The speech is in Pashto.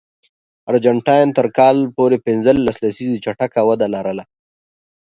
ارجنټاین تر کال پورې پنځه لسیزې چټکه وده لرله.